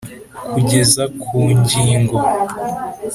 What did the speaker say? kugeza ku ngingo